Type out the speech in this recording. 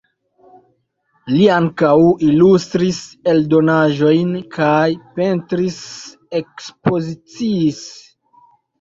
Li ankaŭ ilustris eldonaĵojn kaj pentris-ekspoziciis.